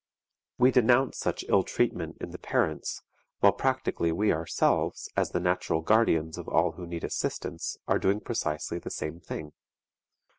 We denounce such ill treatment in the parents, while practically we ourselves, as the natural guardians of all who need assistance, are doing precisely the same thing.